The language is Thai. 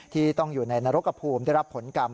ที่ต้องอยู่ในนรกภูมิได้รับผลกรรม